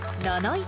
７位